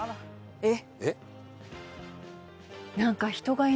えっ？